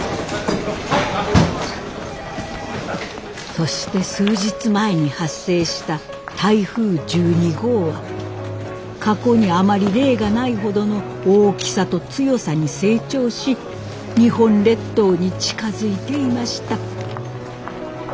そして数日前に発生した台風１２号は過去にあまり例がないほどの大きさと強さに成長し日本列島に近づいていました。